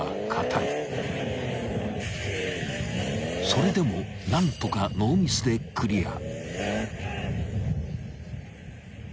［それでも何とかノーミスでクリア］